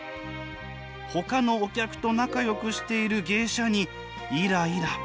ほかのお客と仲よくしている芸者にイライラ。